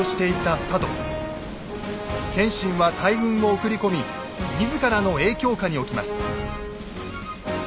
謙信は大軍を送り込み自らの影響下に置きます。